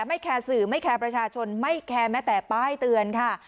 แคร์สื่อไม่แคร์ประชาชนไม่แคร์แม้แต่ป้ายเตือนค่ะ